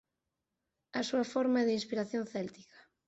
A súa forma é de inspiración céltica.